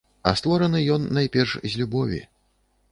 А створаны ён найперш з любові.